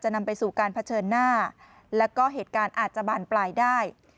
นำไปสู่การเผชิญหน้าแล้วก็เหตุการณ์อาจจะบานปลายได้